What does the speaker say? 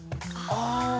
ああ。